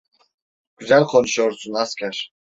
Güzel konuşuyorsun asker…